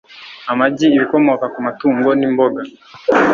amagi, ibikomoka ku matungo n'imboga